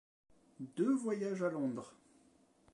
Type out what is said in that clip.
Deux voyages à Londres.